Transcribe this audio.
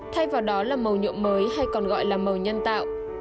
thay vào đó là màu nhuộm mới hay còn gọi là màu nhân tạo